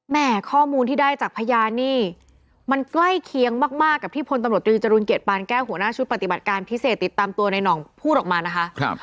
แม่ข้อมูลที่ได้จากพยานนี่มันใกล้เคียงมากกับที่พลตำรวจตรีจรูลเกียรปานแก้วหัวหน้าชุดปฏิบัติการพิเศษติดตามตัวในหน่องพูดออกมานะคะ